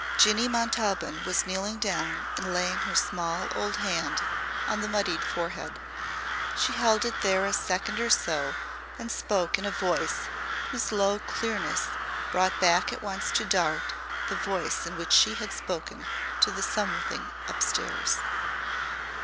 Jinny Montaubyn was kneeling down and laying her small old hand on the muddied forehead. She held it there a second or so and spoke in a voice whose low clearness brought back at once to Dart the voice in which she had spoken to the Something upstairs.